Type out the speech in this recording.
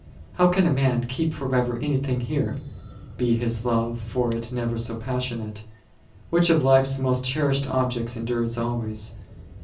How can a man keep for ever anything here, be his love for it never so passion ate? Which of life's most cherished objects endures always